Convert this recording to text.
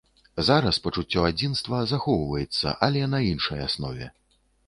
Зараз пачуццё адзінства захоўваецца, але на іншай аснове.